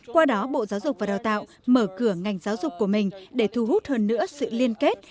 qua đó bộ giáo dục và đào tạo mở cửa ngành giáo dục của mình để thu hút hơn nữa sự liên kết